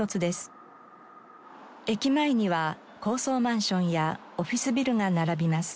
駅前には高層マンションやオフィスビルが並びます。